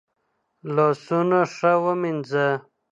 لاسونه ښه ومینځه.